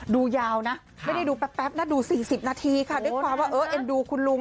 ดูยาวนะไม่ได้ดูแป๊บนะดู๔๐นาทีค่ะด้วยความว่าเออเอ็นดูคุณลุง